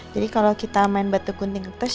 jadi kalau kita main batu gunting kertas